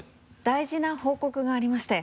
大事な報告がありまして。